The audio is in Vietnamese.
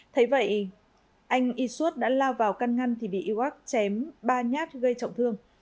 thấy vậy anh isud đã lao vào căn ngăn thì bị iwak chém ba nhát gây trọng thương